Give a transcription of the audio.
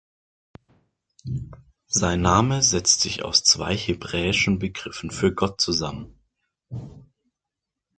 Sein Name setzt sich aus zwei hebräischen Begriffen für Gott zusammen.